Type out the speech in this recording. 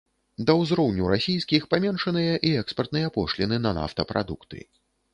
Да ўзроўню расійскіх паменшаныя і экспартныя пошліны на нафтапрадукты.